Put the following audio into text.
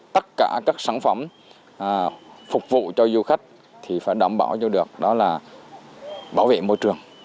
tất cả các sản phẩm phục vụ cho du khách thì phải đảm bảo cho được đó là bảo vệ môi trường